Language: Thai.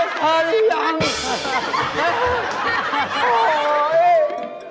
หนัมใจช่วยคะเรียม